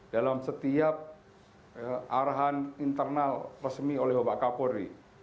dalam setiap arahan internal resmi oleh bapak kapolri